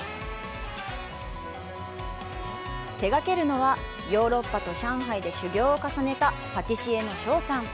手がけるのは、ヨーロッパと上海で修業を重ねたパティシエの章さん。